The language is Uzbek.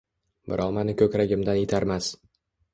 Birov mani ko‘kragimdan itarmas.